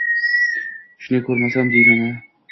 Shuni ko`rmasam deyman-da